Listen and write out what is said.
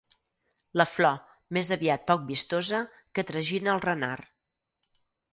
La flor, més aviat poc vistosa, que tragina el renard.